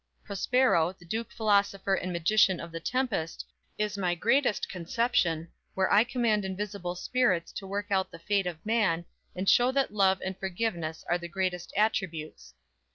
"_ Prospero, the Duke philosopher and magician of the "Tempest," is my greatest conception, where I command invisible spirits to work out the fate of man, and show that love and forgiveness are the greatest attributes.